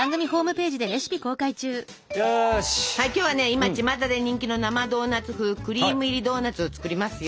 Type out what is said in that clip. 今ちまたで人気の生ドーナツ風クリーム入りドーナツを作りますよ。